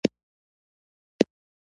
که فشار په پوره اندازه ډیر شي.